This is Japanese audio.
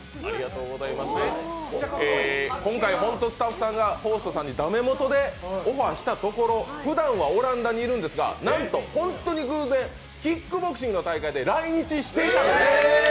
今回、スタッフさんがホーストさんに駄目元でオファーしたところふだんはオランダにいるんですがなんと、本当に偶然、キックボクシングの大会で来日していたんです。